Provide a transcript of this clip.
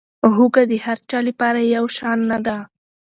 هوږه د هر چا لپاره یو شان نه ده.